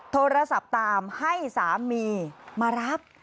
โทรศัพท์ตามให้สามีมารับ